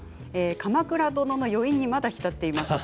「鎌倉殿」の余韻にまた浸っています。